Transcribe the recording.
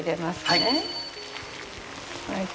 はい。